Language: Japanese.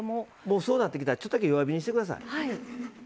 そうなってきたらちょっとだけ弱火にしてください。